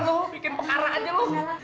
lo bikin pekara aja lu